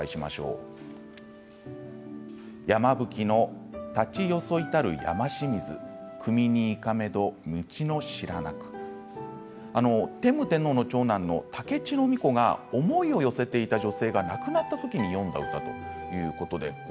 山振やまぶきの立ち儀よそひたる山清水酌くみに行かめど道の知らなく天武天皇の長男の高市皇子が思いを寄せていた女性が亡くなった時に詠んだ歌ということなんです。